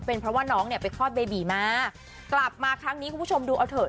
เป็นเพราะว่าน้องเนี่ยไปคลอดเบบีมากลับมาครั้งนี้คุณผู้ชมดูเอาเถอะ